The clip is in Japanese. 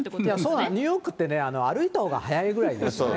そうなの、ニューヨークって歩いたほうが早いぐらいですね。